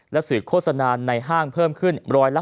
และสื่อโฆษณาในห้างเพิ่มขึ้น๑๕